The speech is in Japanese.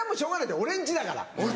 俺ん家だから。